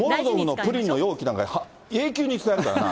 プリンの容器なんか、永久に使えるからな。